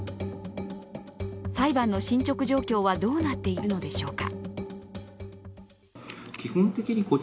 裁判の進捗状況はどうなっているのでしょうか？